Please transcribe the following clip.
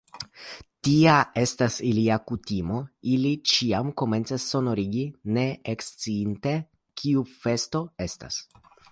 Tia estas ilia kutimo; ili ĉiam komencas sonorigi, ne eksciinte, kiu festo estas!